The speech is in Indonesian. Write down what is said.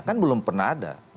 kan belum pernah ada